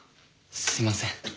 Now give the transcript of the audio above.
すいません。